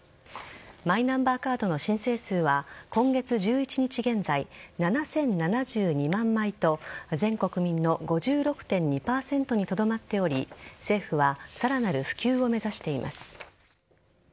マイナンバーカードの申請数は今月１１日現在７０７２万枚と全国民の５６．２％にとどまっており政府はさらなる普及を目指しています。